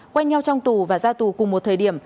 quanh nhau trong tù và ra tù cùng một thời điểm